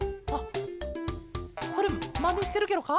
それまねしてるケロか？